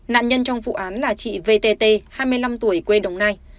nạn nhân trong vụ án là chị vtt hai mươi năm tuổi quê đồng nai